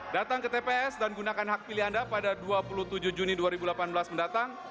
datang ke tps dan gunakan hak pilih anda pada dua puluh tujuh juni dua ribu delapan belas mendatang